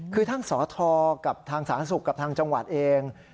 คือทั้งสอทกับทางสาธารณสุขกับทางจังหวัดเอง